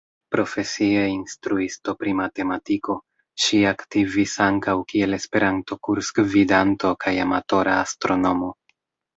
Profesie instruisto pri matematiko, ŝi aktivis ankaŭ kiel Esperanto-kursgvidanto kaj amatora astronomo.